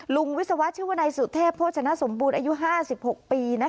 วิศวะชื่อวนายสุเทพโภชนสมบูรณ์อายุ๕๖ปี